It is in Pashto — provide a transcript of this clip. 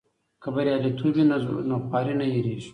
که بریالیتوب وي نو خواري نه هېریږي.